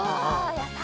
やった！